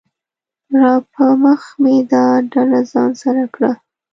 راپه مخه مې دا ډله ځان سره کړه